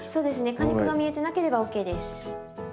果肉が見えてなければＯＫです。